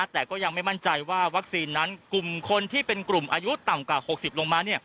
แต่ก็ยังไม่มั่นใจว่าวัคซีนนั้นกลุ่มคนที่เป็นกลุ่มอายุต่ำกว่า๖๐ลงมา